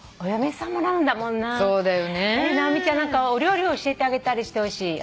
直美ちゃん何かお料理教えてあげたりしてほしい。